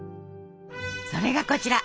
それがこちら！